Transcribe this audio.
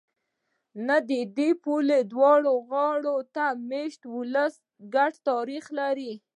نه! د پولې دواړو غاړو ته مېشت ولسونه ګډ تاریخ لري.